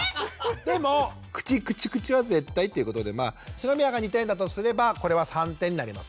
でも口くちゅくちゅは絶対っていうことで篠宮が２点だとすればこれは３点になります。